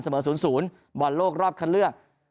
เสมอ๐๐บอลโลกรอบคันเลือก